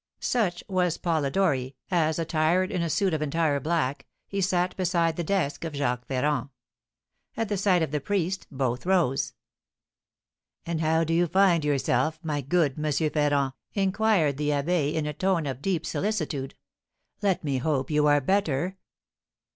Such was Polidori, as, attired in a suit of entire black, he sat beside the desk of Jacques Ferrand. At the sight of the priest both rose. "And how do you find yourself, my good M. Ferrand?" inquired the abbé, in a tone of deep solicitude; "let me hope you are better."